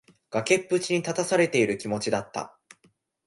崖っぷちに立たされている気持ちだった。